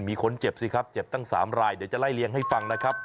มีคนเจ็บสิครับเจ็บตั้ง๓รายเดี๋ยวจะไล่เลี้ยงให้ฟังนะครับ